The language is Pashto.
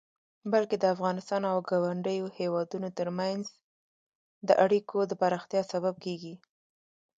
بلکې د افغانستان او ګاونډيو هيوادونو ترمنځ د اړيکو د پراختيا سبب کيږي.